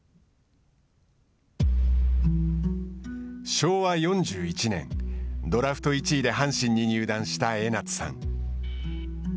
昭和４１年、ドラフト１位で阪神に入団した江夏さん。